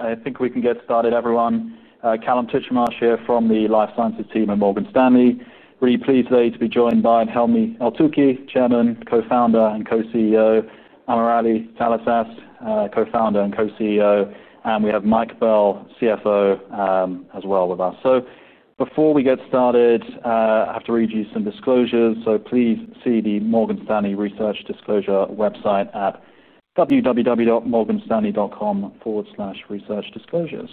I think we can get started, everyone. Kalam Tichumas here from the Life Sciences team at Morgan Stanley. We're pleased today to be joined by Helmy Eltoukhy, Chairman, Co-Founder, and Co-CEO; AmirAli Talasaz, Co-Founder and Co-CEO; and we have Mike Bell, CFO, as well with us. Before we get started, I have to read you some disclosures. Please see the Morgan Stanley Research Disclosure website at www.morganstanley.com/researchdisclosures.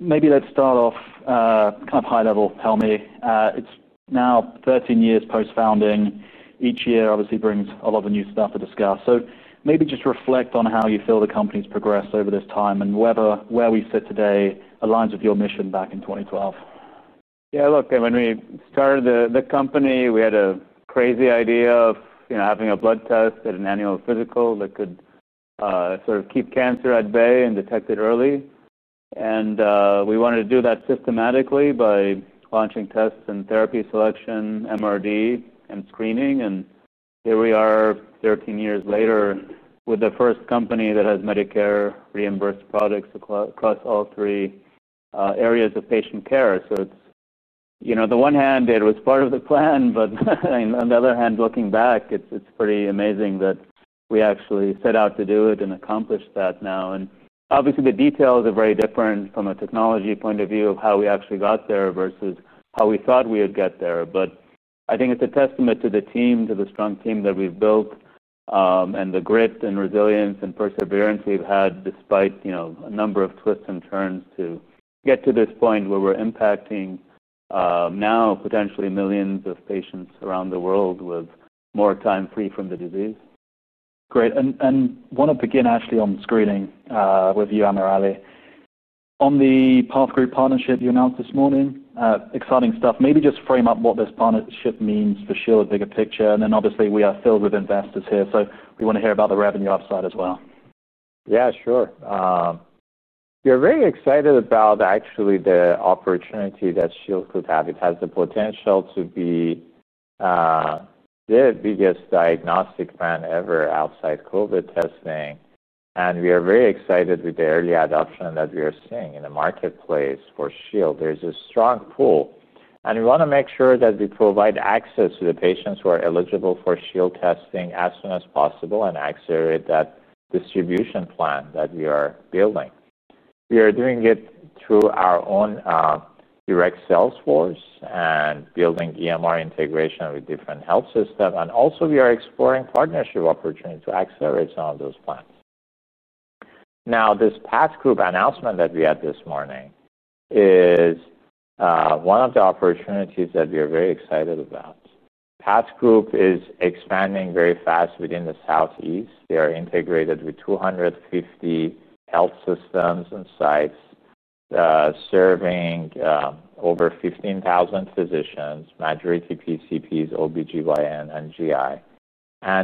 Maybe let's start off kind of high level, Helmy. It's now 13 years post-founding. Each year, obviously, brings a lot of new stuff to discuss. Maybe just reflect on how you feel the company's progressed over this time and whether where we sit today aligns with your mission back in 2012. Yeah, look, when we started the company, we had a crazy idea of having a blood test, an annual physical that could sort of keep cancer at bay and detect it early. We wanted to do that systematically by launching tests in therapy selection, MRD, and screening. Here we are 13 years later with the first company that has Medicare-reimbursed products across all three areas of patient care. On the one hand, it was part of the plan. On the other hand, looking back, it's pretty amazing that we actually set out to do it and accomplish that now. Obviously, the details are very different from a technology point of view of how we actually got there versus how we thought we would get there. I think it's a testament to the team, to the strong team that we've built, and the grit and resilience and perseverance we've had despite a number of twists and turns to get to this point where we're impacting now potentially millions of patients around the world with more time free from the disease. Great. I want to begin actually on screening with you, AmirAli. On the Path Group partnership you announced this morning, exciting stuff. Maybe just frame up what this partnership means for Shield, bigger picture. Obviously, we are filled with investors here, so we want to hear about the revenue upside as well. Yeah, sure. We are very excited about actually the opportunity that Shield could have. It has the potential to be the biggest diagnostic plan ever outside COVID testing. We are very excited with the early adoption that we are seeing in the marketplace for Shield. There is a strong pull. We want to make sure that we provide access to the patients who are eligible for Shield testing as soon as possible and accelerate that distribution plan that we are building. We are doing it through our own direct sales force and building EMR integration with different health systems. We are also exploring partnership opportunities to accelerate some of those plans. This Path Group announcement that we had this morning is one of the opportunities that we are very excited about. Path Group is expanding very fast within the Southeast. They are integrated with 250 health systems and sites, serving over 15,000 physicians, majority PCPs, OB-GYN, and GI.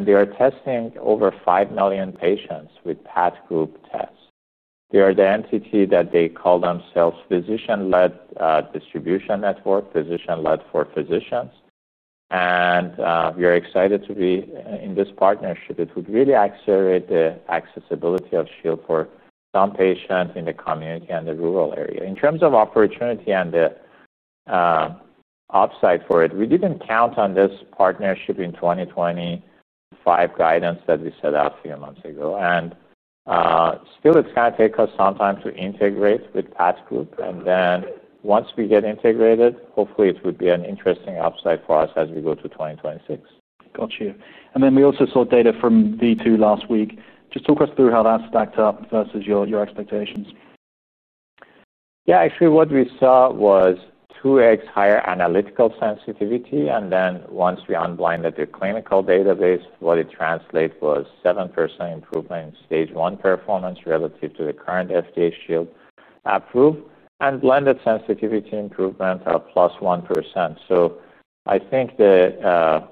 They are testing over 5 million patients with Path Group tests. They are the entity that they call themselves physician-led distribution network, physician-led for physicians. We are excited to be in this partnership. It would really accelerate the accessibility of Shield for some patients in the community and the rural area. In terms of opportunity and the upside for it, we didn't count on this partnership in 2025 guidance that we set out a few months ago. Still, it's going to take us some time to integrate with Path Group. Once we get integrated, hopefully, it would be an interesting upside for us as we go to 2026. Got you. We also saw data from V2 last week. Just talk us through how that stacked up versus your expectations. Yeah, actually, what we saw was 2x higher analytical sensitivity. Once we unblinded the clinical database, what it translated was 7% improvement in stage 1 performance relative to the current FDA Shield approved and blended sensitivity improvement of plus 1%. I think the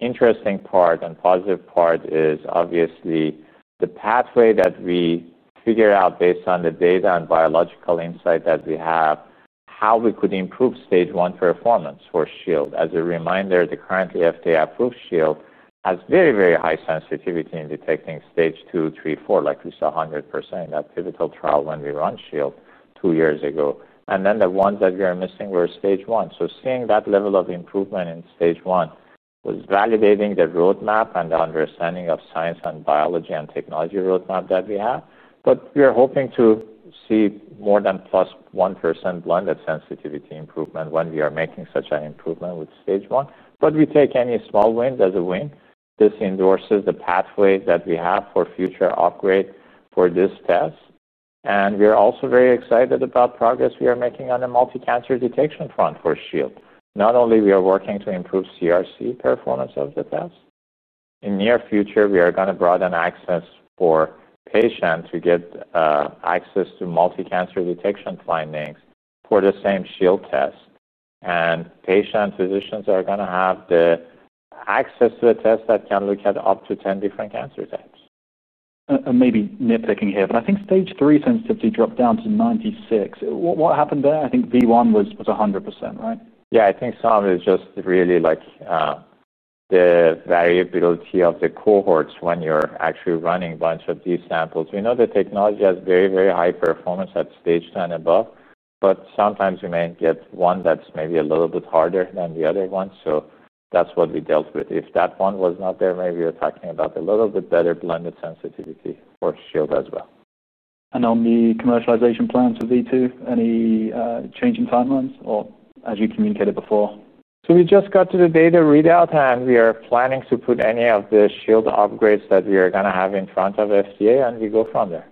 interesting part and positive part is obviously the pathway that we figured out based on the data and biological insight that we have, how we could improve stage 1 performance for Shield. As a reminder, the currently FDA-approved Shield has very, very high sensitivity in detecting stage 2, 3, 4, like we saw 100% in that pivotal trial when we ran Shield two years ago. The ones that we are missing were stage 1. Seeing that level of improvement in stage 1 was validating the roadmap and the understanding of science and biology and technology roadmap that we have. We are hoping to see more than plus 1% blended sensitivity improvement when we are making such an improvement with stage 1. We take any small wins as a win. This endorses the pathway that we have for future upgrade for this test. We are also very excited about progress we are making on the multi-cancer detection front for Shield. Not only are we working to improve CRC performance of the test, in the near future, we are going to broaden access for patients to get access to multi-cancer detection findings for the same Shield test. Patients and physicians are going to have the access to the test that can look at up to 10 different cancer types. Maybe nitpicking here, but I think stage 3 sensitivity dropped down to 96%. What happened there? I think V1 was 100%, right? Yeah, I think some of it is just really like the variability of the cohorts when you're actually running a bunch of these samples. We know the technology has very, very high performance at stage 10 and above. Sometimes you may get one that's maybe a little bit harder than the other one. That's what we dealt with. If that one was not there, maybe we were talking about a little bit better blended sensitivity for Shield as well. On the commercialization plans for V2, any change in timelines or as you communicated before? We just got to the data readout, and we are planning to put any of the Shield upgrades that we are going to have in front of the FDA. We go from there.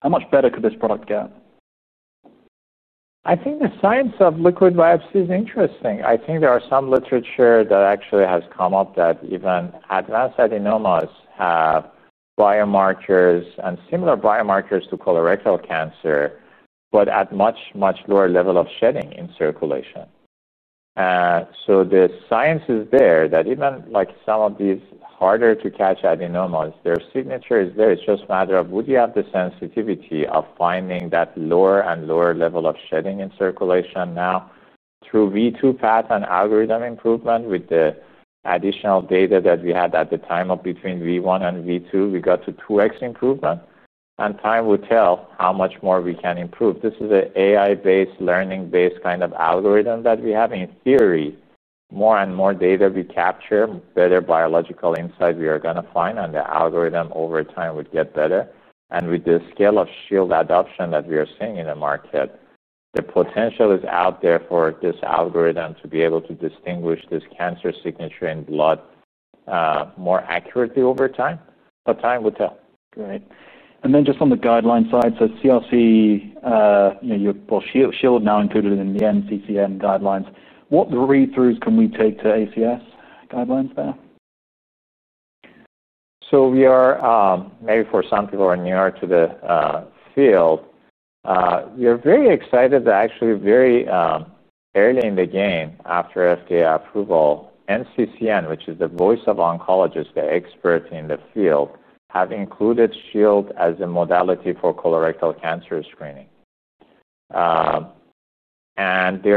How much better could this product get? I think the science of liquid biopsy is interesting. I think there are some literature that actually has come up that even advanced adenomas have biomarkers and similar biomarkers to colorectal cancer, but at a much, much lower level of shedding in circulation. The science is there that even some of these harder-to-catch adenomas, their signature is there. It's just a matter of, would you have the sensitivity of finding that lower and lower level of shedding in circulation. Now through V2 path and algorithm improvement with the additional data that we had at the time of between V1 and V2, we got to 2x improvement. Time will tell how much more we can improve. This is an AI-based, learning-based kind of algorithm that we have. In theory, more and more data we capture, better biological insight we are going to find, and the algorithm over time would get better. With the scale of Shield adoption that we are seeing in the market, the potential is out there for this algorithm to be able to distinguish this cancer signature in blood more accurately over time. Time will tell. Great. Just on the guideline side, CLC, you've got Shield now included in the NCCN guidelines. What read-throughs can we take to ACS guidelines there? We are, maybe for some people who are newer to the field, very excited that actually very early in the game after FDA approval, NCCN, which is the voice of oncologists, the experts in the field, have included Shield as a modality for colorectal cancer screening. They are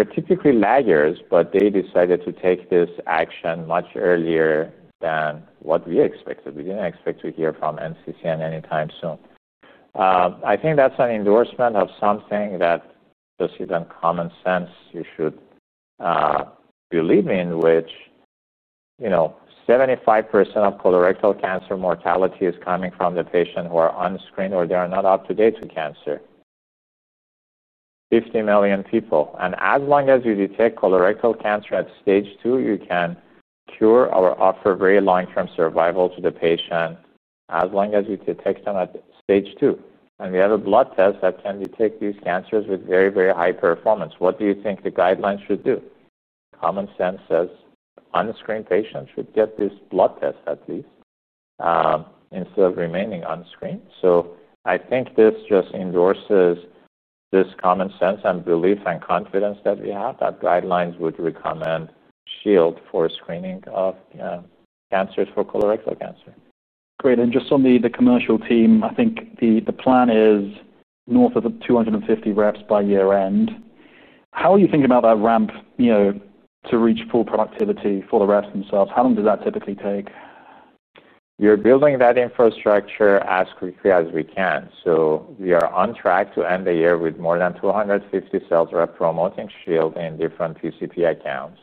typically laggers, but they decided to take this action much earlier than what we expected. We didn't expect to hear from NCCN anytime soon. I think that's an endorsement of something that just even common sense you should believe in, which 75% of colorectal cancer mortality is coming from the patients who are unscreened or they are not up to date with cancer, 50 million people. As long as you detect colorectal cancer at stage 2, you can cure or offer very long-term survival to the patient as long as you detect them at stage 2. We have a blood test that can detect these cancers with very, very high performance. What do you think the guidelines should do? Common sense is unscreened patients should get this blood test at least instead of remaining unscreened. I think this just endorses this common sense and belief and confidence that we have that guidelines would recommend Shield for screening of cancers for colorectal cancer. Great. Just on the commercial team, I think the plan is north of 250 reps by year-end. How are you thinking about that ramp, you know, to reach full productivity for the reps themselves? How long does that typically take? We are building that infrastructure as quickly as we can. We are on track to end the year with more than 250 sales reps promoting Shield in different PCP accounts.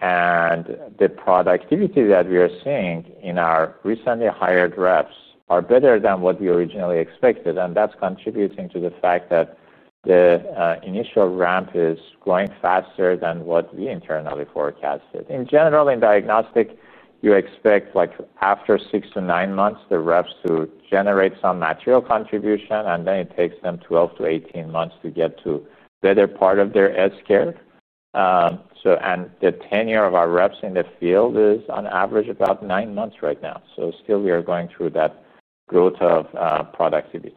The productivity that we are seeing in our recently hired reps is better than what we originally expected. That is contributing to the fact that the initial ramp is going faster than what we internally forecasted. In general, in diagnostics, you expect after six to nine months, the reps to generate some material contribution. It takes them 12 to 18 months to get to a better part of their ESCARE. The tenure of our reps in the field is on average about nine months right now. We are still going through that growth of productivity.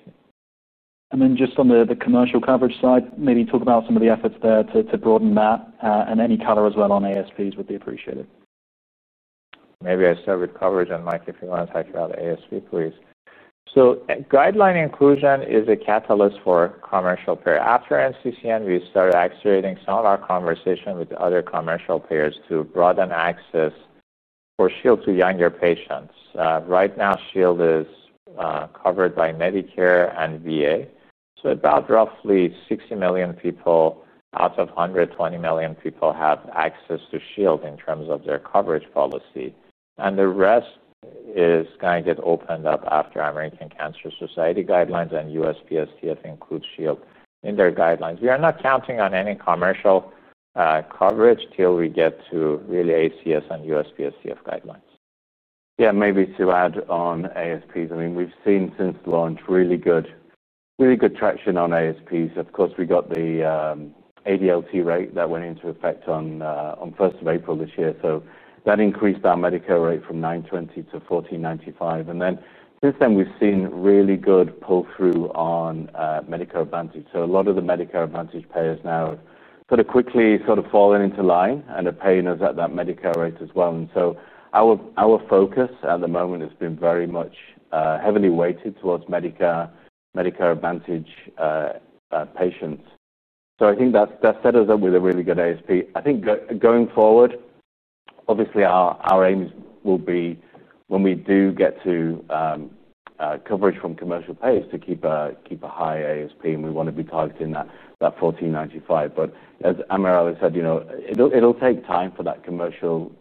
On the commercial coverage side, maybe talk about some of the efforts there to broaden that. Any color as well on ASPs would be appreciated. Maybe I start with coverage, and Mike, if you want to talk about ASP, please. Guideline inclusion is a catalyst for commercial payer. After NCCN, we started accelerating some of our conversation with other commercial payers to broaden access for Shield to younger patients. Right now, Shield is covered by Medicare and VA. About roughly 60 million people out of 120 million people have access to Shield in terms of their coverage policy. The rest is going to get opened up after American Cancer Society guidelines and USPSTF includes Shield in their guidelines. We are not counting on any commercial coverage till we get to really ACS and USPSTF guidelines. Yeah, maybe to add on ASPs, I mean, we've seen since launch really good, really good traction on ASPs. Of course, we got the ADLT rate that went into effect on April 1, 2024. That increased our Medicare rate from $9.20 to $14.95. Since then, we've seen really good pull-through on Medicare Advantage. A lot of the Medicare Advantage payers now have quickly fallen into line and are paying us at that Medicare rate as well. Our focus at the moment has been very much heavily weighted towards Medicare Advantage patients. I think that's set us up with a really good ASP. I think going forward, obviously, our aims will be when we do get to coverage from commercial payers to keep a high ASP. We want to be targeting that $14.95. As AmirAli said, it'll take time for that commercial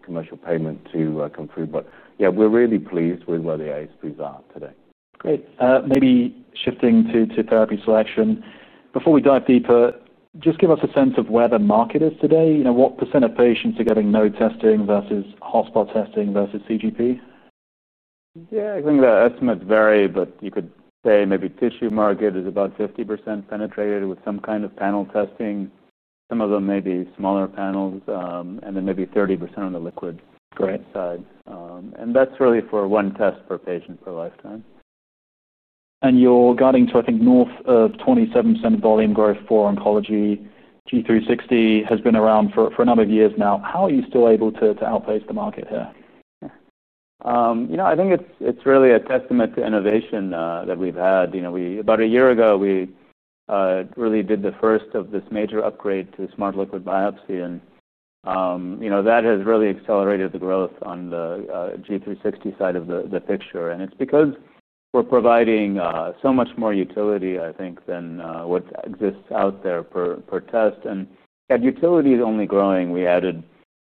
payment to come through. Yeah, we're really pleased with where the ASPs are today. Great. Maybe shifting to therapy selection, before we dive deeper, just give us a sense of where the market is today. You know, what % of patients are getting no testing versus hospital testing versus CGP? Yeah, I think the estimates vary. You could say maybe tissue market is about 50% penetrated with some kind of panel testing. Some of them may be smaller panels. Maybe 30% on the liquid side. That's really for one test per patient per lifetime. You're guiding to, I think, north of 27% volume growth for oncology. Guardant360 has been around for a number of years now. How are you still able to outpace the market here? I think it's really a testament to innovation that we've had. About a year ago, we really did the first of this major upgrade to smart liquid biopsy. That has really accelerated the growth on the Guardant360 side of the picture. It's because we're providing so much more utility, I think, than what exists out there per test. That utility is only growing. We added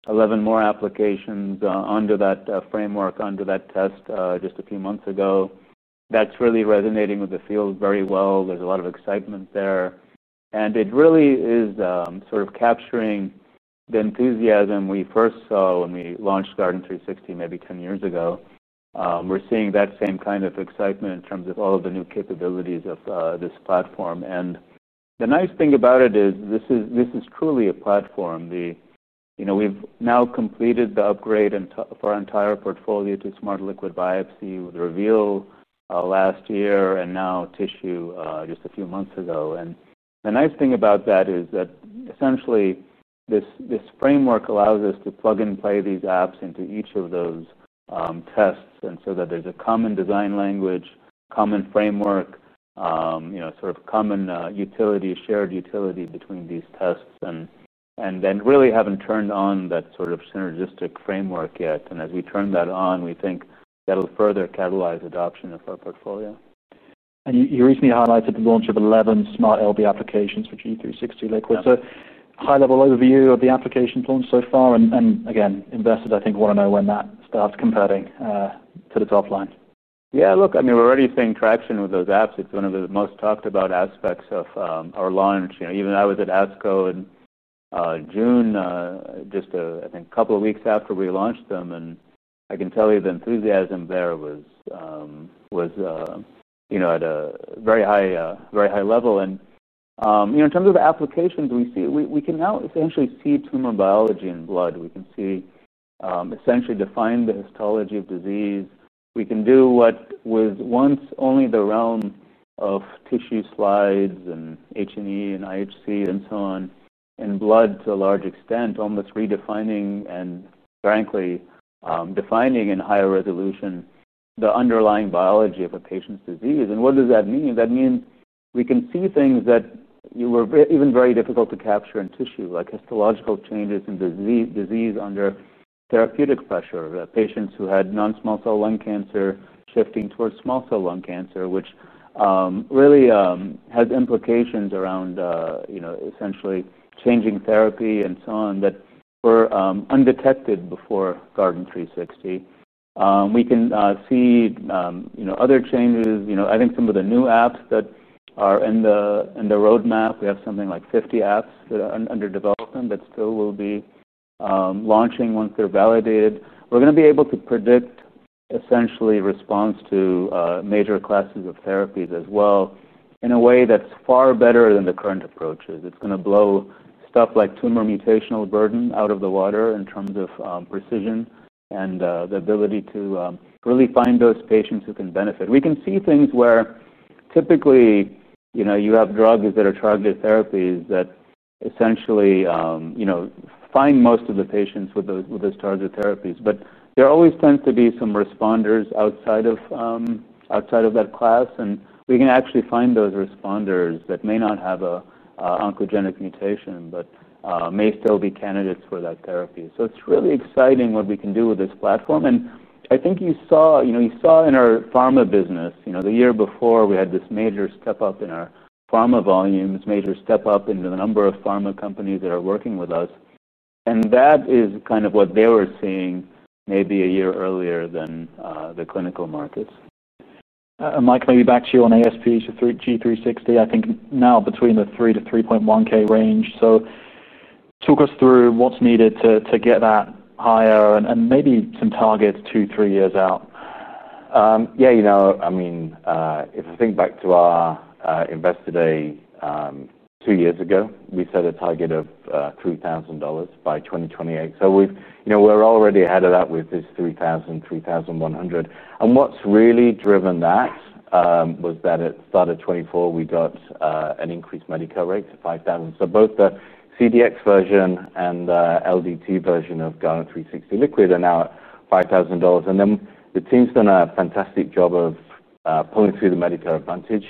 11 more applications under that framework, under that test just a few months ago. That's really resonating with the field very well. There's a lot of excitement there. It really is sort of capturing the enthusiasm we first saw when we launched Guardant360 maybe 10 years ago. We're seeing that same kind of excitement in terms of all of the new capabilities of this platform. The nice thing about it is this is truly a platform. We've now completed the upgrade of our entire portfolio to smart liquid biopsy with Reveal last year and now Tissue just a few months ago. The nice thing about that is that essentially, this framework allows us to plug and play these apps into each of those tests, so that there's a common design language, common framework, sort of common utility, shared utility between these tests. We really haven't turned on that sort of synergistic framework yet. As we turn that on, we think that'll further catalyze adoption of our portfolio. You recently highlighted the launch of 11 smart liquid biopsy applications for Guardant360 Liquid. Please provide a high-level overview of the applications launched so far. Investors, I think, want to know when that starts comparing to the top line. Yeah, look, I mean, we're already seeing traction with those apps. It's one of the most talked-about aspects of our launch. I was at ASCO in June, just a couple of weeks after we launched them. I can tell you the enthusiasm there was at a very high level. In terms of applications, we can now essentially see tumor biology in blood. We can essentially define the histology of disease. We can do what was once only the realm of tissue slides and H&E and IHC and so on in blood to a large extent, almost redefining and, frankly, defining in higher resolution the underlying biology of a patient's disease. What does that mean? That means we can see things that were even very difficult to capture in tissue, like histological changes in disease under therapeutic pressure, patients who had non-small cell lung cancer shifting towards small cell lung cancer, which really has implications around essentially changing therapy and so on that were undetected before Guardant360. We can see other changes. I think some of the new apps that are in the roadmap, we have something like 50 apps that are under development that still will be launching once they're validated. We're going to be able to predict essentially response to major classes of therapies as well in a way that's far better than the current approaches. It's going to blow stuff like tumor mutational burden out of the water in terms of precision and the ability to really find those patients who can benefit. We can see things where typically you have drugs that are targeted therapies that essentially find most of the patients with those targeted therapies, but there always tends to be some responders outside of that class. We can actually find those responders that may not have an oncogenic mutation but may still be candidates for that therapy. It's really exciting what we can do with this platform. I think you saw in our pharma business, the year before, we had this major step up in our pharma volumes, major step up in the number of pharma companies that are working with us. That is kind of what they were seeing maybe a year earlier than the clinical markets. Mike, maybe back to you on ASPs for Guardant360. I think now between the $3,000 to $3,100 range. Talk us through what's needed to get that higher and maybe some targets two, three years out. Yeah, you know, I mean, if I think back to our investor day two years ago, we set a target of $3,000 by 2028. We've, you know, we're already ahead of that with this $3,000, $3,100. What's really driven that was that at the start of 2024, we got an increased Medicare rate to $5,000. Both the CDx version and the LDT version of Guardant360 Liquid are now at $5,000. The team's done a fantastic job of pulling through the Medicare Advantage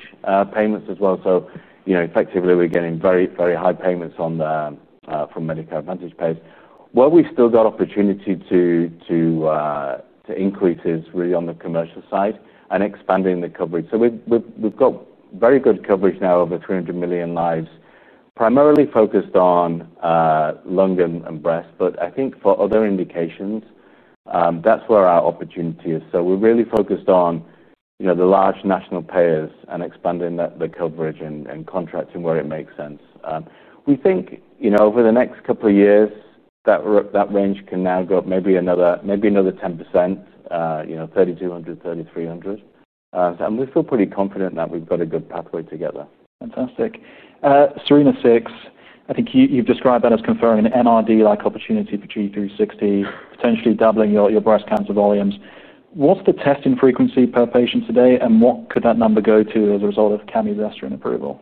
payments as well. Effectively, we're getting very, very high payments on there from Medicare Advantage paid. Where we still got opportunity to increase is really on the commercial side and expanding the coverage. We've got very good coverage now over 300 million lives, primarily focused on lung and breast. I think for other indications, that's where our opportunity is. We're really focused on, you know, the large national payers and expanding the coverage and contracting where it makes sense. We think, you know, over the next couple of years, that range can now go up maybe another 10%, you know, $3,200, $3,300. We feel pretty confident that we've got a good pathway together. Fantastic. Serena Six, I think you've described that as conferring an MRD-like opportunity for Guardant360, potentially doubling your breast cancer volumes. What's the testing frequency per patient today? What could that number go to as a result of Kamu's Estrone approval?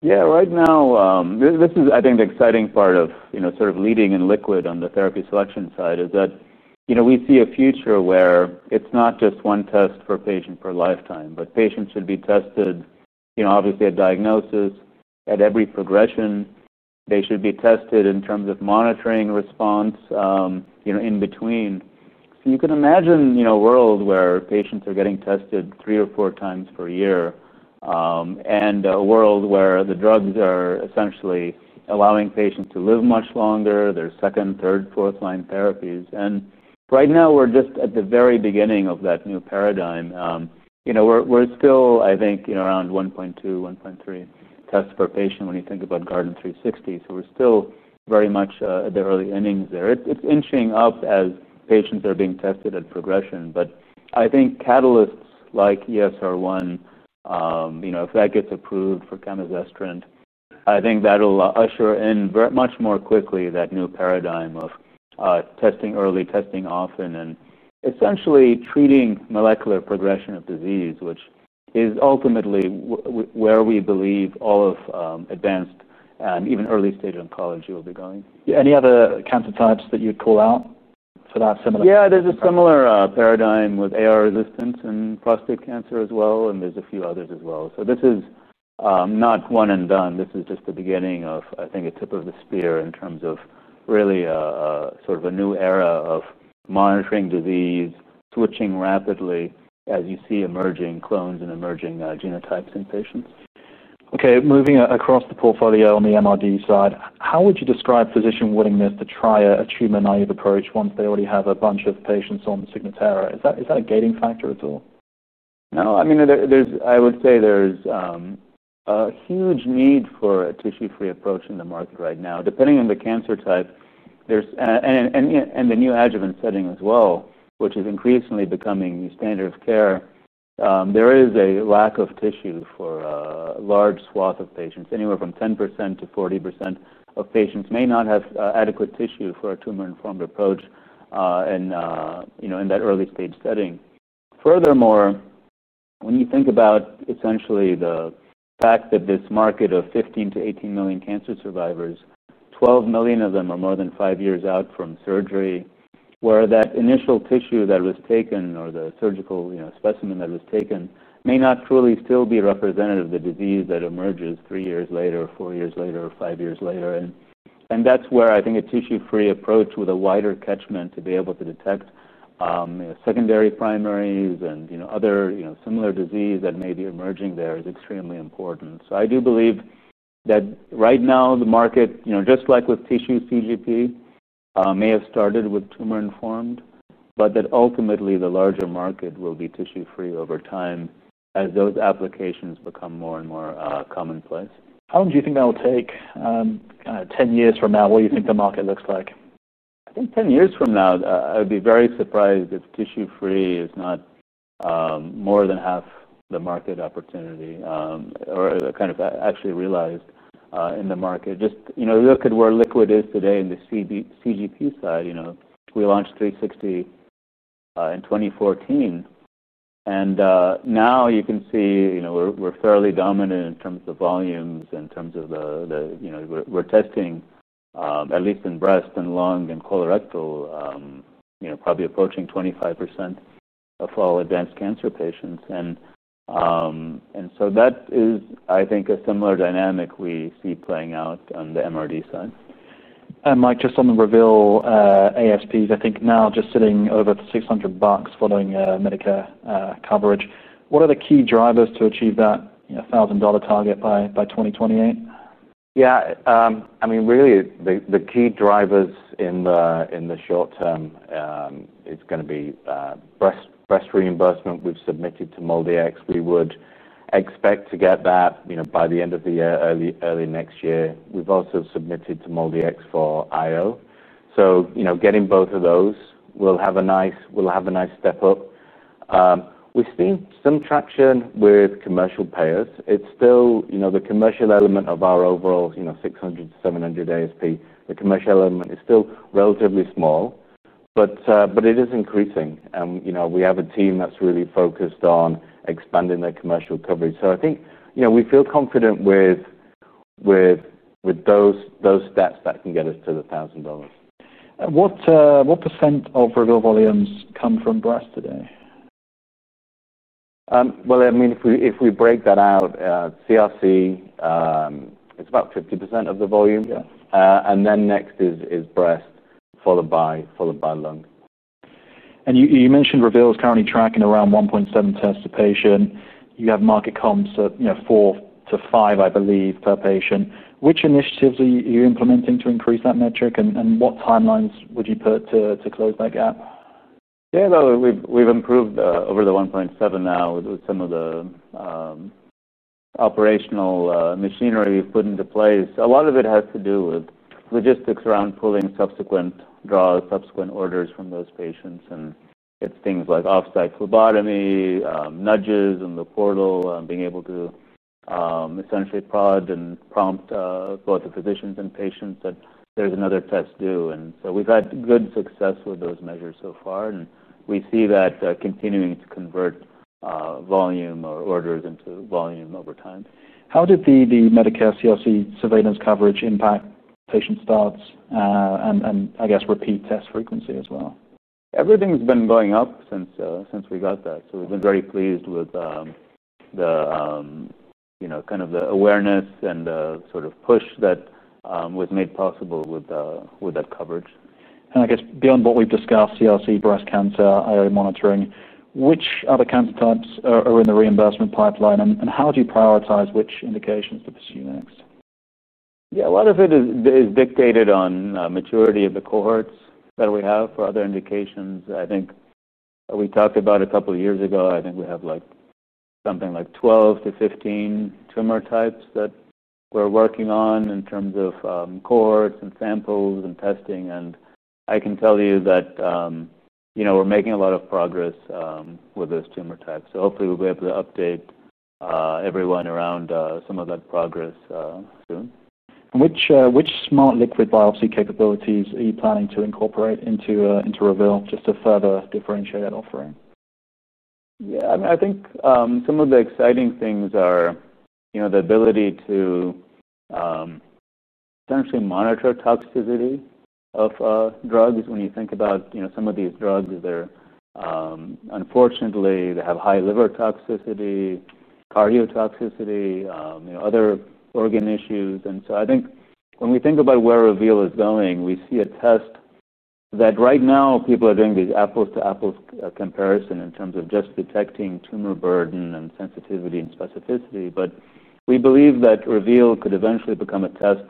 Yeah, right now, this is, I think, the exciting part of sort of leading in liquid on the therapy selection side is that, you know, we see a future where it's not just one test per patient per lifetime, but patients should be tested, you know, obviously at diagnosis, at every progression. They should be tested in terms of monitoring response, you know, in between. You can imagine, you know, a world where patients are getting tested three or four times per year and a world where the drugs are essentially allowing patients to live much longer, their second, third, fourth line therapies. Right now, we're just at the very beginning of that new paradigm. We're still, I think, you know, around 1.2, 1.3 tests per patient when you think about Guardant360. We're still very much at the early innings there. It's inching up as patients are being tested at progression. I think catalysts like ESR1, you know, if that gets approved for Kamu's Estrone, I think that will usher in much more quickly that new paradigm of testing early, testing often, and essentially treating molecular progression of disease, which is ultimately where we believe all of advanced and even early-stage oncology will be going. Any other cancer types that you'd call out for that similar? Yeah, there's a similar paradigm with AR resistance in prostate cancer as well. There's a few others as well. This is not one and done. This is just the beginning of, I think, a tip of the spear in terms of really sort of a new era of monitoring disease, switching rapidly as you see emerging clones and emerging genotypes in patients. OK, moving across the portfolio on the MRD side, how would you describe physician willingness to try a tumor-naive approach once they already have a bunch of patients on Signatera? Is that a gating factor at all? No, I mean, I would say there's a huge need for a tissue-free approach in the market right now. Depending on the cancer type, and the new adjuvant setting as well, which is increasingly becoming the standard of care, there is a lack of tissue for a large swath of patients. Anywhere from 10% to 40% of patients may not have adequate tissue for a tumor-informed approach in that early-stage setting. Furthermore, when you think about essentially the fact that this market of 15 to 18 million cancer survivors, 12 million of them are more than five years out from surgery, where that initial tissue that was taken or the surgical specimen that was taken may not truly still be representative of the disease that emerges three years later, four years later, or five years later. That's where I think a tissue-free approach with a wider catchment to be able to detect secondary primaries and other similar disease that may be emerging there is extremely important. I do believe that right now the market, just like with tissue CGP, may have started with tumor-informed, but that ultimately the larger market will be tissue-free over time as those applications become more and more commonplace. How long do you think that will take? 10 years from now, what do you think the market looks like? I think 10 years from now, I would be very surprised if tissue-free is not more than half the market opportunity or actually realized in the market. Just, you know, look at where liquid is today in the CGP side. We launched Guardant360 in 2014, and now you can see we're fairly dominant in terms of volumes, in terms of the, you know, we're testing at least in breast and lung and colorectal, probably approaching 25% of all advanced cancer patients. That is, I think, a similar dynamic we see playing out on the MRD side. Mike, just on the Reveal ASPs, I think now just sitting over the $600 following Medicare coverage, what are the key drivers to achieve that $1,000 target by 2028? Yeah, I mean, really, the key drivers in the short term is going to be breast reimbursement. We've submitted to MolDX. We would expect to get that, you know, by the end of the year, early next year. We've also submitted to MolDX for IO. You know, getting both of those will have a nice step up. We've seen some traction with commercial payers. It's still, you know, the commercial element of our overall, you know, $600 to $700 ASP, the commercial element is still relatively small. It is increasing. You know, we have a team that's really focused on expanding their commercial coverage. I think, you know, we feel confident with those steps that can get us to the $1,000. What percent of Reveal volumes come from breast today? If we break that out, CRC is about 50% of the volume, and then next is breast, followed by lung. You mentioned Reveal is currently tracking around 1.7 tests per patient. You have market comms at 4 to 5, I believe, per patient. Which initiatives are you implementing to increase that metric, and what timelines would you put to close that gap? Yeah, no, we've improved over the 1.7 now with some of the operational machinery we've put into place. A lot of it has to do with logistics around pulling subsequent draws, subsequent orders from those patients. It's things like offsite phlebotomy, nudges on the portal, being able to essentially prod and prompt both the physicians and patients that there's another test due. We've had good success with those measures so far, and we see that continuing to convert orders into volume over time. How did the Medicare CRC surveillance coverage impact patient stocks, and I guess, repeat test frequency as well? Everything's been going up since we got that. We've been very pleased with the, you know, kind of the awareness and the sort of push that was made possible with that coverage. I guess beyond what we've discussed, CRC, breast cancer, IO monitoring, which other cancer types are in the reimbursement pipeline? How do you prioritize which indications to pursue next? A lot of it is dictated on maturity of the cohorts that we have for other indications. I think we talked about a couple of years ago, I think we have like something like 12 to 15 tumor types that we're working on in terms of cohorts and samples and testing. I can tell you that we're making a lot of progress with those tumor types. Hopefully, we'll be able to update everyone around some of that progress soon. Which smart liquid biopsy capabilities are you planning to incorporate into Reveal just to further differentiate that offering? Yeah, I mean, I think some of the exciting things are the ability to essentially monitor toxicity of drugs. When you think about some of these drugs, unfortunately, they have high liver toxicity, cardiotoxicity, other organ issues. I think when we think about where Reveal is going, we see a test that right now people are doing these apples-to-apples comparison in terms of just detecting tumor burden and sensitivity and specificity. We believe that Reveal could eventually become a test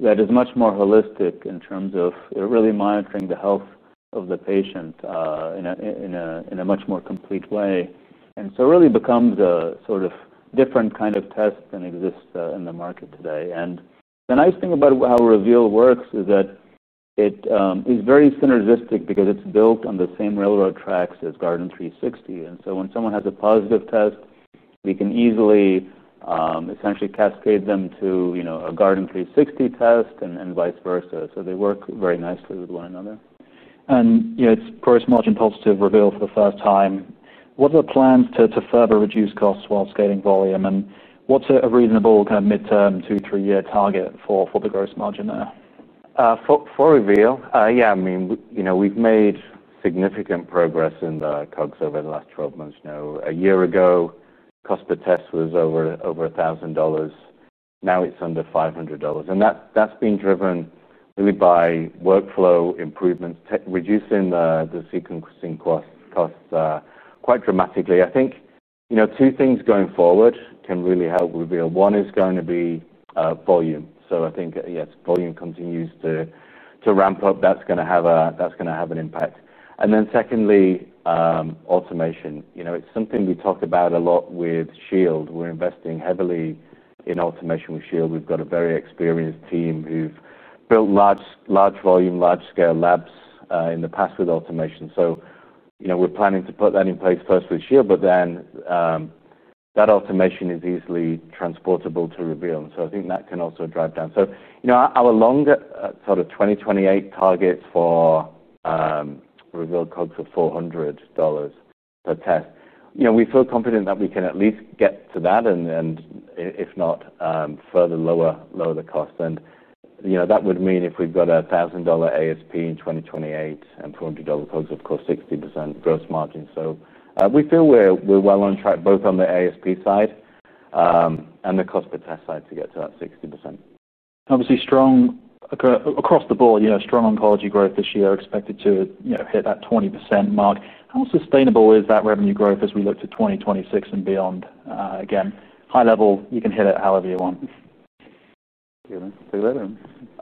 that is much more holistic in terms of really monitoring the health of the patient in a much more complete way. It really becomes a sort of different kind of test than exists in the market today. The nice thing about how Reveal works is that it is very synergistic because it's built on the same railroad tracks as Guardant360. When someone has a positive test, we can easily essentially cascade them to a Guardant360 test and vice versa. They work very nicely with one another. It's gross margin positive Reveal for the first time. What are the plans to further reduce costs while scaling volume, and what's a reasonable kind of mid-term two, three-year target for the gross margin there? For Reveal, yeah, I mean, we've made significant progress in the cost of goods sold over the last 12 months now. A year ago, cost per test was over $1,000. Now it's under $500. That's been driven really by workflow improvements, reducing the sequencing cost quite dramatically. I think two things going forward can really help Reveal. One is going to be volume. I think, yes, volume continues to ramp up. That's going to have an impact. Secondly, automation. It's something we talk about a lot with Shield. We're investing heavily in automation with Shield. We've got a very experienced team who've built large volume, large-scale labs in the past with automation. We're planning to put that in place first with Shield, but then that automation is easily transportable to Reveal. I think that can also drive down. Our longer sort of 2028 targets for Reveal cost of goods sold are $400 per test. We feel confident that we can at least get to that, if not further lower the cost. That would mean if we've got a $1,000 average selling price in 2028 and $400 cost of goods sold, of course, 60% gross margin. We feel we're well on track both on the average selling price side and the cost per test side to get to that 60%. Obviously, strong across the board, you know, strong oncology growth this year expected to hit that 20% mark. How sustainable is that revenue growth as we look to 2026 and beyond? Again, high level, you can hit it however you want. Yeah,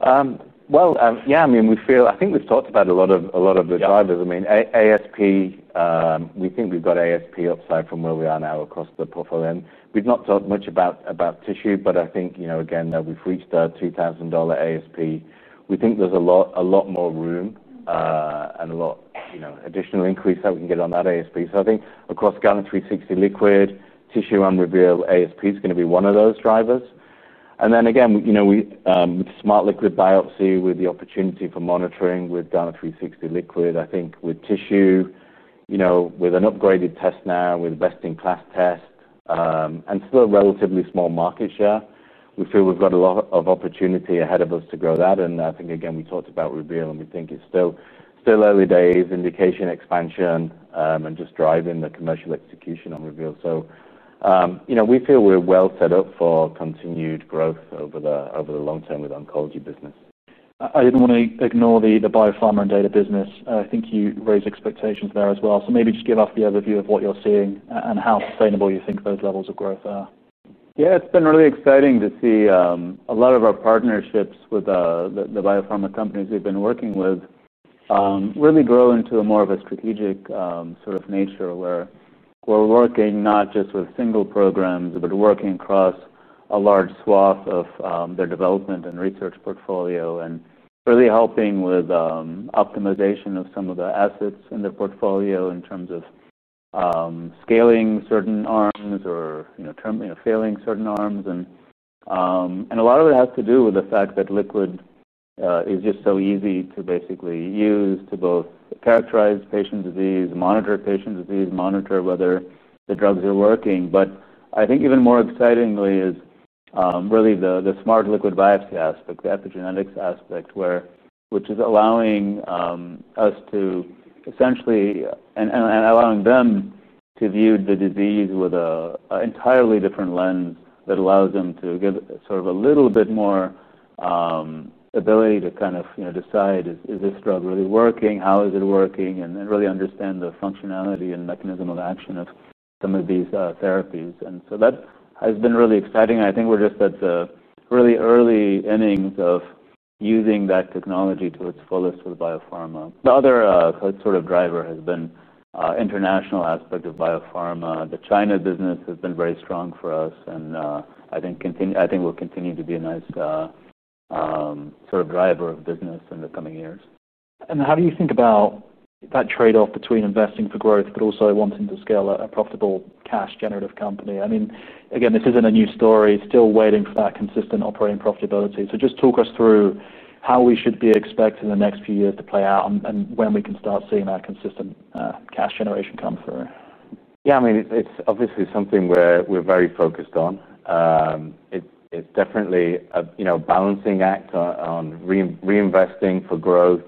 I mean, we feel, I think we've talked about a lot of the drivers. I mean, ASP, we think we've got ASP upside from where we are now across the portfolio. We've not talked much about tissue. I think, you know, again, that we've reached a $2,000 ASP. We think there's a lot more room and a lot, you know, additional increase that we can get on that ASP. I think across Guardant360 Liquid, tissue on Reveal, ASP is going to be one of those drivers. Again, you know, with smart liquid biopsy, with the opportunity for monitoring with Guardant360 Liquid, I think with tissue, you know, with an upgraded test now, with a best-in-class test, and still a relatively small market share, we feel we've got a lot of opportunity ahead of us to grow that. I think, again, we talked about Reveal. We think it's still early days, indication expansion, and just driving the commercial execution on Reveal. You know, we feel we're well set up for continued growth over the long term with the oncology business. I didn't want to ignore the biopharma and data business. I think you raised expectations there as well. Maybe just give us the overview of what you're seeing and how sustainable you think those levels of growth are. Yeah, it's been really exciting to see a lot of our partnerships with the biopharma companies we've been working with really grow into more of a strategic sort of nature, where we're working not just with single programs, but working across a large swath of their development and research portfolio and really helping with optimization of some of the assets in their portfolio in terms of scaling certain arms or failing certain arms. A lot of it has to do with the fact that liquid is just so easy to basically use to both characterize patient disease, monitor patient disease, monitor whether the drugs are working. I think even more excitingly is really the smart liquid biopsy aspect, the epigenetics aspect, which is allowing us to essentially and allowing them to view the disease with an entirely different lens that allows them to give sort of a little bit more ability to kind of decide, is this drug really working? How is it working? Really understand the functionality and mechanism of action of some of these therapies. That has been really exciting. I think we're just at the really early innings of using that technology to its fullest with biopharma. The other sort of driver has been the international aspect of biopharma. The China business has been very strong for us. I think we'll continue to be a nice sort of driver of business in the coming years. How do you think about that trade-off between investing for growth, but also wanting to scale a profitable cash-generative company? This isn't a new story. Still waiting for that consistent operating profitability. Just talk us through how we should be expecting the next few years to play out and when we can start seeing that consistent cash generation come through. Yeah, I mean, it's obviously something we're very focused on. It's definitely a balancing act on reinvesting for growth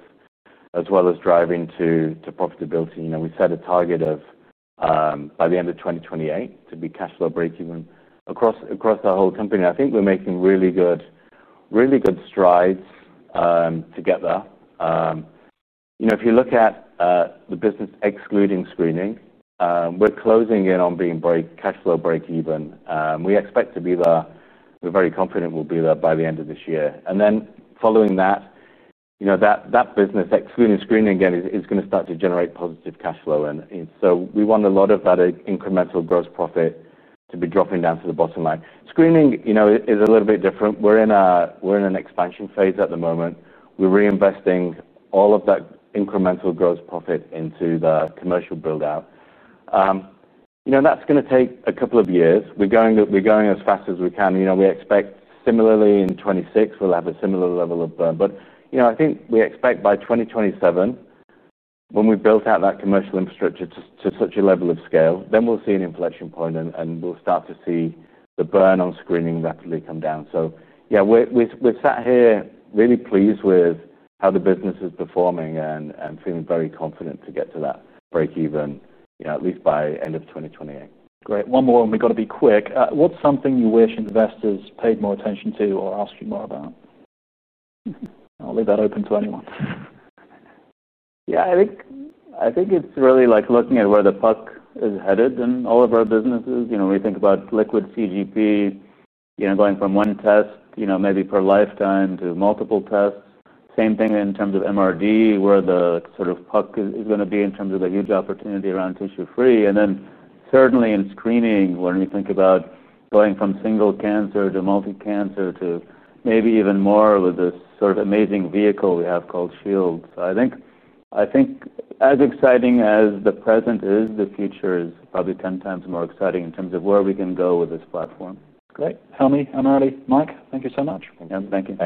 as well as driving to profitability. You know, we set a target of by the end of 2028 to be cash flow break even across the whole company. I think we're making really good strides to get there. If you look at the business excluding screening, we're closing in on being cash flow break even. We expect to be there. We're very confident we'll be there by the end of this year. Following that, you know, that business excluding screening again is going to start to generate positive cash flow. We want a lot of that incremental gross profit to be dropping down to the bottom line. Screening is a little bit different. We're in an expansion phase at the moment. We're reinvesting all of that incremental gross profit into the commercial build-out. That's going to take a couple of years. We're going as fast as we can. We expect similarly in 2026, we'll have a similar level of burn. I think we expect by 2027, when we've built out that commercial infrastructure to such a level of scale, then we'll see an inflection point. We'll start to see the burn on screening rapidly come down. Yeah, we've sat here really pleased with how the business is performing and feeling very confident to get to that break even, at least by the end of 2028. Great. One more, and we've got to be quick. What's something you wish investors paid more attention to or asked you more about? I'll leave that open to anyone. I think it's really like looking at where the puck is headed in all of our businesses. You know, we think about liquid CGP, going from one test, maybe per lifetime to multiple tests. Same thing in terms of MRD, where the puck is going to be in terms of a huge opportunity around tissue-free. Certainly in screening, when we think about going from single cancer to multi-cancer to maybe even more with this amazing vehicle we have called Shield. I think as exciting as the present is, the future is probably 10 times more exciting in terms of where we can go with this platform. Great. Helmy, AmirAli, Mike, thank you so much. Yeah, thank you.